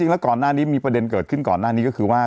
แล้วก่อนหน้านี้มีประเด็นเกิดขึ้นก่อนหน้านี้ก็คือว่า